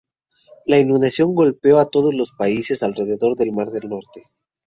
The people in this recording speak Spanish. La inundación golpeó a todos los países alrededor del Mar del Norte.